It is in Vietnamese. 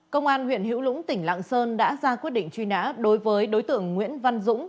công an huyện hữu lũng tỉnh lạng sơn đã ra quyết định truy nã đối với đối tượng nguyễn văn dũng